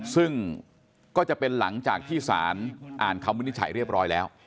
ซึ่งก็จะเป็นหลังจากที่สารอ่านคำวินิจฉัยเรียบร้อยแล้ว